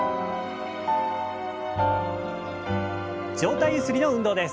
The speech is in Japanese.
上体ゆすりの運動です。